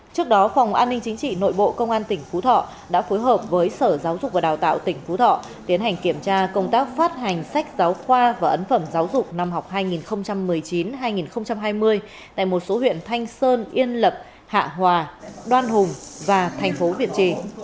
trước đó phòng an ninh chính trị nội bộ công an tỉnh phú thọ đã phối hợp với sở giáo dục và đào tạo tỉnh phú thọ tiến hành kiểm tra công tác phát hành sách giáo khoa và ấn phẩm giáo dục năm học hai nghìn một mươi chín hai nghìn hai mươi tại một số huyện thanh sơn yên lập hạ hòa đoan hùng và thành phố việt trì